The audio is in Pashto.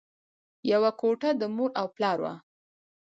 یوه کوټه د مور او پلار وه